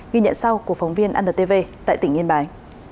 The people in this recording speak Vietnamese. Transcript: ghi nhận sau của phóng viên antv tại tỉnh yên bái